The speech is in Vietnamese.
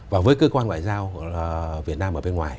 và với cơ quan ngoại giao việt nam ở bên ngoài